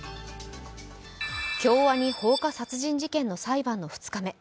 京アニ放火殺人事件の裁判の２日目。